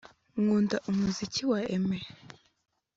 Nkunda umuziki wa Aimer